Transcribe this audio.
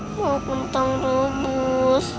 wah kentang rebus